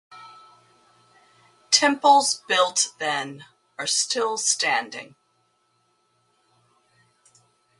Temples built then are still standing.